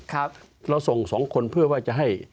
เราส่งสองคนเพื่อว่าจะให้